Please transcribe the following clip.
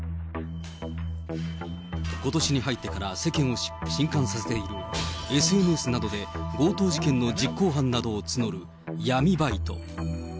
ことしに入ってから、世間をしんかんさせているＳＮＳなどで、強盗事件の実行犯などを募る闇バイト。